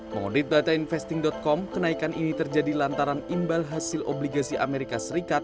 mengundit data investing com kenaikan ini terjadi lantaran imbal hasil obligasi amerika serikat